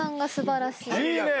いいね！